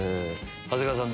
長谷川さん